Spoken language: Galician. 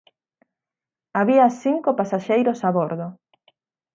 Había cinco pasaxeiros a bordo.